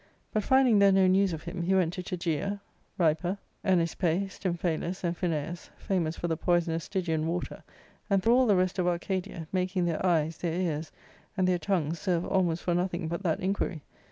But, finding there no news of him, he went to Tegea, Ripa, Enispae, Stimphalus, and Phineus, famous for the poisonous Stygian water, and through all the rest of Arcadia, making their eyes, their ears, ^nd their tongues serve almost for nothing but that inquiry.